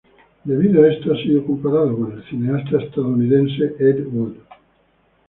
Debido a esto, ha sido comparado con el cineasta estadounidense Ed Wood.